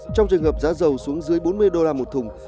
trong trường hợp giá dầu xuống dưới bốn mươi đô la một thùng